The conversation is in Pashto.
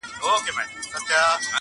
تل یې لاس د خپل اولس په وینو سور وي -